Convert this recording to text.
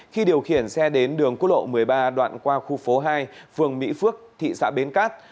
khi điều khiển xe đến đường quốc lộ một mươi ba đoạn qua khu phố hai phường mỹ phước thị xã bến cát